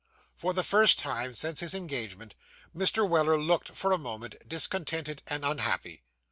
For the first time since his engagement, Mr. Weller looked, for a moment, discontented and unhappy.